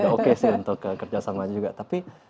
oke sih untuk kerjasamanya juga tapi